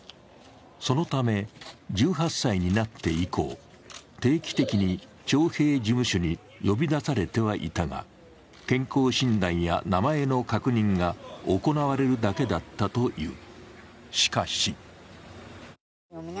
そのため１８歳になって以降定期的に徴兵事務所に呼び出されてはいたが健康診断や名前の確認が行われるだけだったという。